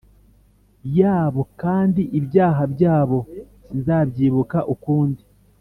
Yabo kandi ibyaha byabo sinzabyibuka ukundi